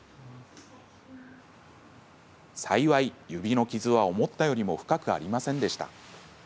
幸い、指の傷は思ったよりも深くありませんでした。